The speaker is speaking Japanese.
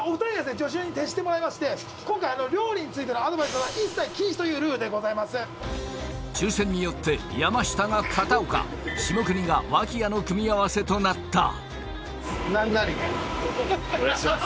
助手に徹してもらいまして今回料理についてのアドバイスは一切禁止というルールでございます抽選によって山下が片岡下國が脇屋の組み合わせとなったお願いします